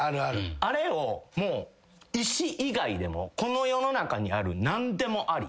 あれを石以外でもこの世の中にある何でもあり。